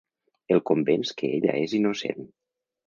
El convenç que ella és innocent.